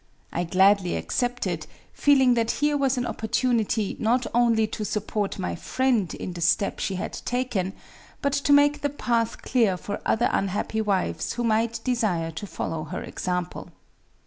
I gladly accepted, feeling that here was an opportunity not only to support my friend in the step she had taken, but to make the path clear for other unhappy wives who might desire to follow her example.